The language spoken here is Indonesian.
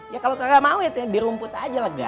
ya kalo kagak mau ya biar rumput aja lega